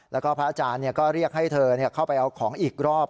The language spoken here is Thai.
แล้วก็พระอาจารย์ก็เรียกให้เธอเข้าไปเอาของอีกรอบ